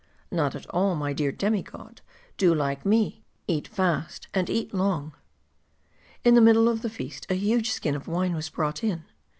Not at all, my dear demi god ; do like me : eat fast and eat long." In the middle of the feast, a huge skin of wine was brought in.